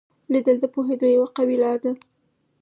لیدل د پوهېدو یوه قوي لار ده